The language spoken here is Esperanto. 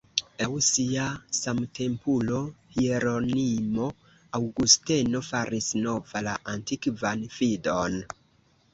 Laŭ sia samtempulo, Hieronimo, Aŭgusteno "faris nova la antikvan fidon.